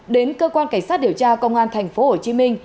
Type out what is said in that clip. đến cơ quan cảnh sát điều tra công an tp hcm